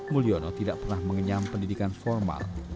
mulyono tidak pernah mengenyam pendidikan formal